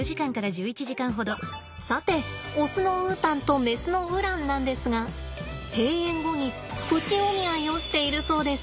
さてオスのウータンとメスのウランなんですが閉園後にプチお見合いをしているそうです。